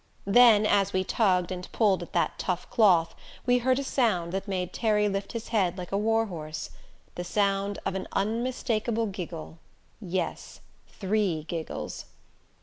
Then, as we tugged and pulled at that tough cloth we heard a sound that made Terry lift his head like a war horse the sound of an unmistakable giggle, yes three giggles.